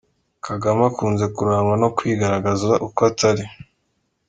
Kagame akunze kurangwa no kwigaragaza uko atari.